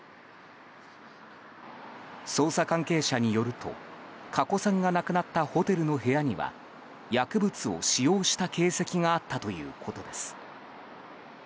捜査関係者によると加古さんが亡くなったホテルの部屋には薬物を使用した形跡があったということです。